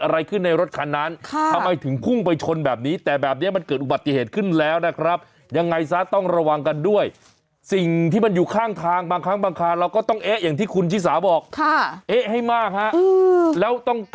เราไม่มีทางรู้เลยนะ